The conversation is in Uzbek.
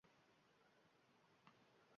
Qorovul quvlasa, yantoqzordan qocha olasanmi?